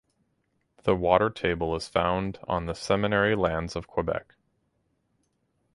The water table is found on the Seminary Lands of Quebec.